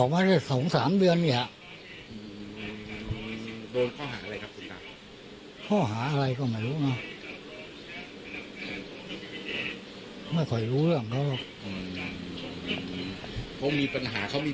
ไม่ใช่มันแบบเขาแบบจะพลุกไปต่างอย่างเนี่ย